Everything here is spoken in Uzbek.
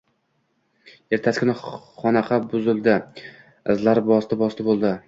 Ertasi kuni xonaqo buzildi. Izlar bosti-bosti bo‘ldi.